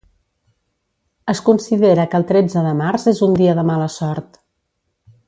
Es considera que el tretze de març és un dia de mala sort.